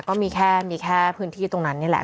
ก็มีแค่พื้นที่ตรงนั้นนี้แหละ